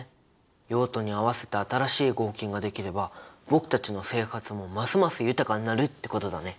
用途に合わせた新しい合金ができれば僕たちの生活もますます豊かになるってことだね。